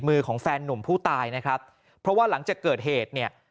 มือของแฟนนุ่มผู้ตายนะครับเพราะว่าหลังจากเกิดเหตุเนี่ย